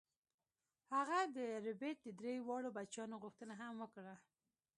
هغه د ربیټ د درې واړو بچیانو غوښتنه هم وکړه